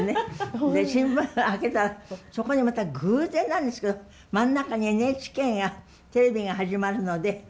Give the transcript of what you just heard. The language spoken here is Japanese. で新聞開けたらそこにまた偶然なんですけど真ん中に「ＮＨＫがテレビが始まるので募集する」と書いたのが出てたんです。